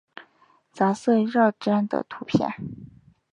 杂色耀鲇的图片